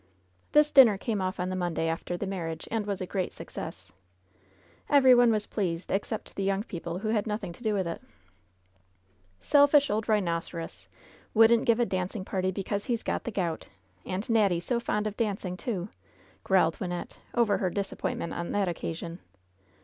This dinner came off on the Monday after the mar riage, and was a great success. Every one was pleased, except the young people who had nothing to do with it. 8 4 LOVE'S BITTEREST CUP '^Selfish old rhinoceros! Wouldn't give a dancing party because he's got the gout f And Natty so fond of dancing, too !'' growled Wynnette, over her disappoint ment on that occasion.